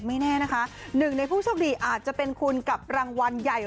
ไม่แน่นะคะหนึ่งในผู้โชคดีอาจจะเป็นคุณกับรางวัลใหญ่